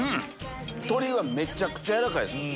鶏はめちゃくちゃ軟らかいです。